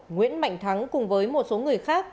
nguyễn mạnh thắng cùng với một số người khác